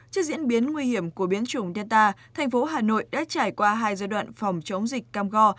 trước diễn biến nguy hiểm của biến chủng delta tp hà nội đã trải qua hai giai đoạn phòng chống dịch cam go